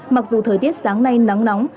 mặc dù thời tiết sáng nay nắng nóng